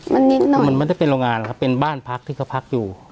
มันนิดหน่อยมันไม่ได้เป็นโรงงานครับเป็นบ้านพักที่ก็พักอยู่